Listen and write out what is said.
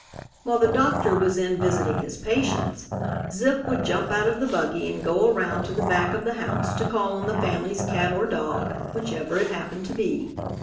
While the doctor was in visiting his patients, Zip would jump out of the buggy and go around to the back of the house to call on the family's cat or dog, whichever it happened to be.